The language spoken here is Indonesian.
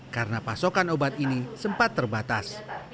karena pasokan obat ini sempat terbatas